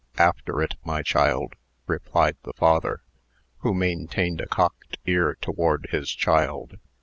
"After it, my child," replied the father, who maintained a cocked ear toward his child.